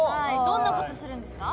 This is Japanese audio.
どんな事するんですか？